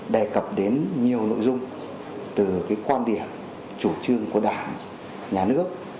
đề cập đến nhiều nội dung từ quan điểm chủ trương của đảng nhà nước